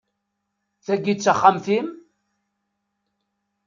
Tagi d taxxamt-im?